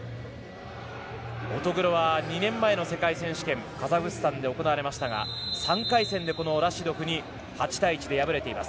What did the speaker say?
乙黒は２年前の世界選手権カザフスタンで行われましたが３回戦でこのラシドフに８対１で敗れています。